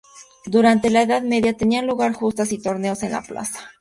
Durante la Edad Media tenían lugar justas y torneos en la plaza.